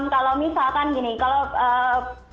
kalau misalkan gini kalau